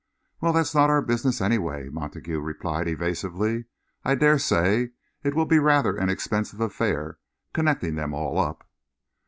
"Well, that's not our business, anyway," Montague replied evasively. "I dare say it will be rather an expensive affair, connecting them all up."